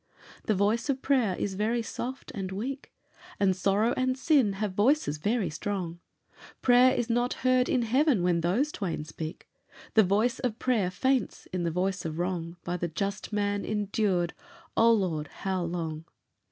"The voice of prayer is very soft and weak, And sorrow and sin have voices very strong; Prayer is not heard in heaven when those twain speak, The voice of prayer faints in the voice of wrong By the just man endured oh, Lord, how long?